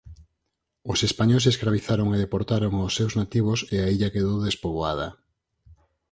Os españois escravizaron e deportaron aos seus nativos e a illa quedou despoboada.